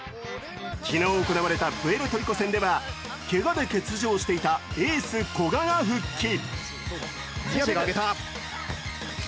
昨日行われたプエルトリコ戦ではけがで欠場していたエース・古賀が復帰。